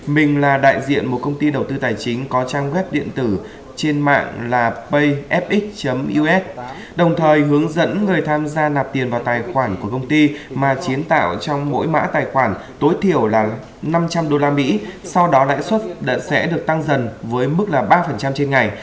mình là đại diện một công ty đầu tư tài chính có trang web điện tử trên mạng là payfxxus đồng thời hướng dẫn người tham gia nạp tiền vào tài khoản của công ty mà chiến tạo trong mỗi mã tài khoản tối thiểu là năm trăm linh usd sau đó lãi suất sẽ được tăng dần với mức là ba trên ngày